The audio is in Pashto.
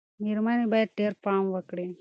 مېرمنې باید ډېر پام وکړي.